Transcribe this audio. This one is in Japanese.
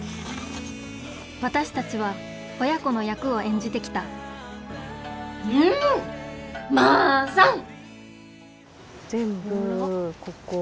私たちは親子の役を演じてきたうんマーサン！